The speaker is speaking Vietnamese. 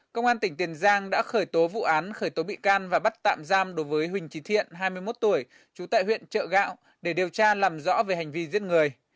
công an tỉnh tiền giang đã khởi tố vụ án khởi tố bị can và bắt tạm giam đối với huỳnh trí thiện hai mươi một tuổi trú tại huyện trợ gạo để điều tra làm rõ về hành vi giết người